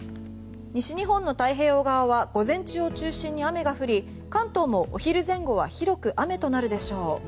西日本の太平洋側は午前中を中心に雨が降り関東もお昼前後は広く雨となるでしょう。